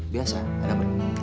biasa ada beli